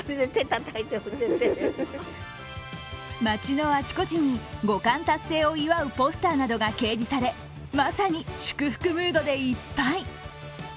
街のあちこちに五冠達成を祝うポスターなどが掲示され、まさに祝福ムードでいっぱい。